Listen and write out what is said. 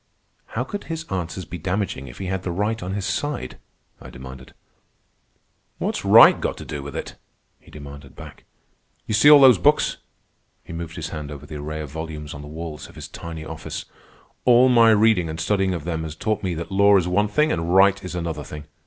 "How could his answers be damaging if he had the right on his side?" I demanded. "What's right got to do with it?" he demanded back. "You see all those books." He moved his hand over the array of volumes on the walls of his tiny office. "All my reading and studying of them has taught me that law is one thing and right is another thing.